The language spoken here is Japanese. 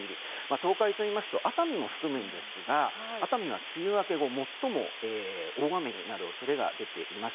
東海といいますと熱海も含むんですが熱海は梅雨明け後、最も大雨になる恐れが出ています。